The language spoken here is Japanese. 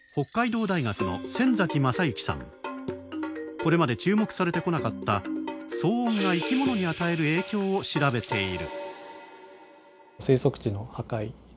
これまで注目されてこなかった騒音が生き物に与える影響を調べている。